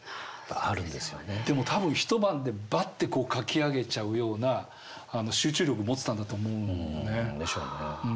でも多分一晩でバッてこう書き上げちゃうような集中力持ってたんだと思うよね。でしょうね。